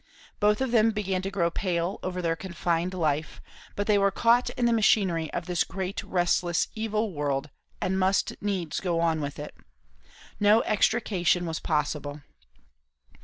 Both of them began to grow pale over their confined life; but they were caught in the machinery of this great, restless, evil world, and must needs go on with it; no extrication was possible.